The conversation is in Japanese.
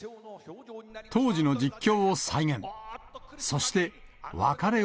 当時の実況を再現。